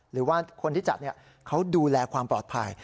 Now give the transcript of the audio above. หรือว่าคนที่จัดเขาดูแลความปลอดภัย